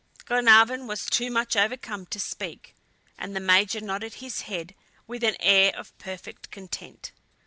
Glenarvan was too much overcome to speak, and the Major nodded his head with an air of perfect content.